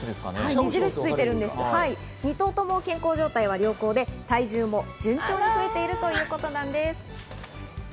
２頭とも健康状態は良好で体重も順調に増えているということなんです。